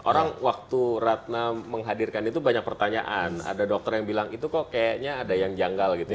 orang waktu ratna menghadirkan itu banyak pertanyaan ada dokter yang bilang itu kok kayaknya ada yang janggal gitu ya